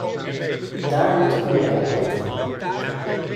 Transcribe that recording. Daar moeten we mee opletten.